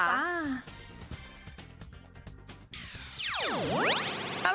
อ่าค่ะ